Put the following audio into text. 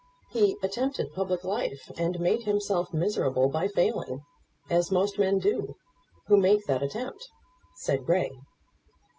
"He attempted public life and made himself miserable by failing, as most men do who make that attempt," said Grey.